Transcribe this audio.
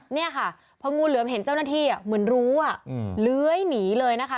เนี่ยค่ะพองูเหลือมเห็นเจ้าหน้าที่เหมือนรู้เลื้อยหนีเลยนะคะ